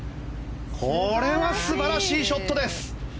これは素晴らしいショットです。